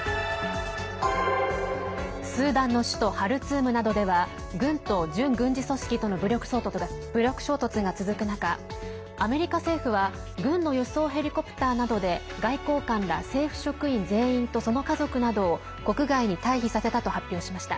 スーダンの首都ハルツームなどでは軍と準軍事組織との武力衝突が続く中アメリカ政府は軍の輸送ヘリコプターなどで外交官ら政府職員全員とその家族などを国外に退避させたと発表しました。